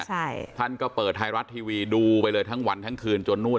ใช่ท่านก็เปิดไทยรัฐทีวีดูไปเลยทั้งวันทั้งคืนจนนู่น